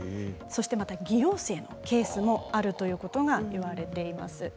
また偽陽性のケースもあるということがいわれています。